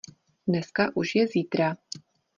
Dneska už je zítra.